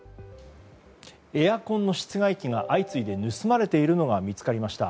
エアコンの室外機が相次いで盗まれているのが見つかりました。